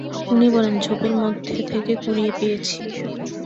উনি বলেন, ঝোপের মধ্যে থেকে কুড়িয়ে পেয়েছি।